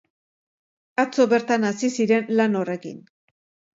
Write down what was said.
Atzo bertan hasi ziren lan horrekin.